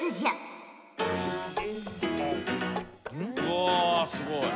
うわすごい。